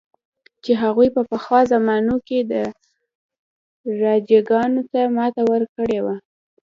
چې هغوی په پخوا زمانو کې راجاګانو ته ماته ورکړې وه.